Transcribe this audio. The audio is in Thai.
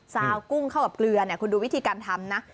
ซาวกุ้งเข้ากับเกลือคุณดูวิธีการทำนะ